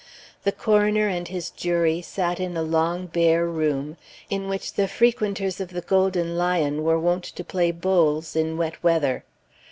The coroner and his jury sat in a long bare room, in which the frequenters of the Golden Lion were wont to play bowls in wet weather.